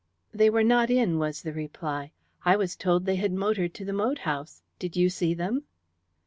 "They were not in," was the reply. "I was told they had motored to the moat house. Did you see them?"